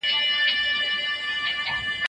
زه شاعر سړی یم بې الفاظو نور څه نلرم